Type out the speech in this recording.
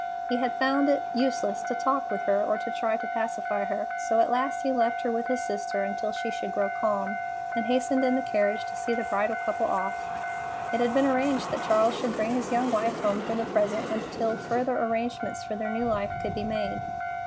He had found it useless to talk with her or to try to pacify her, so at last he left her with his sister until she should grow calm, and hastened in the carriage to see the bridal couple off. It had been arranged that Charles should bring his young wife home for the present until further arrangements for their new life could be made.